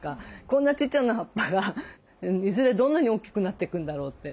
こんなちっちゃな葉っぱがいずれどんなに大きくなっていくんだろうって。